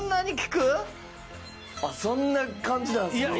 そんな感じなんですか？